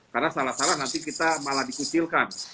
karena salah salah nanti kita malah dikucilkan